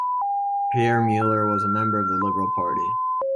Pierre Muller was a member of the Liberal Party.